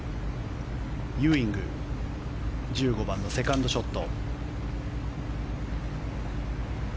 ユーイング、１５番のセカンドショット。